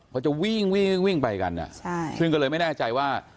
เขาจะวิ่งวิ่งวิ่งไปกันซึ่งก็เลยไม่แน่ใจว่า